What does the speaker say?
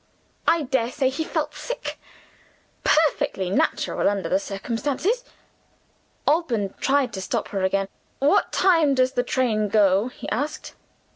I daresay he felt sick. Perfectly natural under the circumstances." Alban tried to stop her again. "What time does the train go?" he asked.